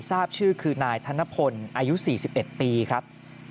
ทราบชื่อคือนายธนพลอายุ๔๑ปีครับ